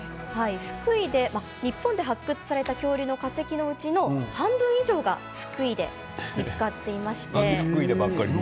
日本で発掘された恐竜の化石のうちの半分以上が福井県で見つかっています。